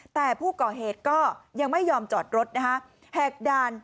แต่ผู้ก่อเหตุก็ยังไม่ยอมจอดรถนะคะ